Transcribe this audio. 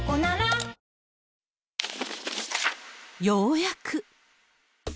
ようやく。